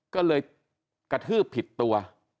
ก็เลยกระทืบผิดตัว